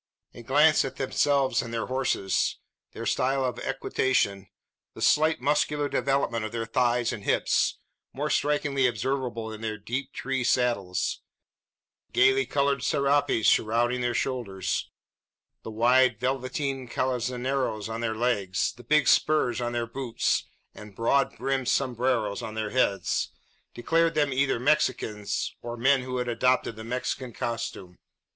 A glance at themselves and their horses, their style of equitation, the slight muscular development of their thighs and hips more strikingly observable in their deep tree saddles the gaily coloured serapes shrouding their shoulders, the wide velveteen calzoneros on their legs, the big spurs on their boots, and broad brimmed sombreros on their heads, declared them either Mexicans, or men who had adopted the Mexican costume.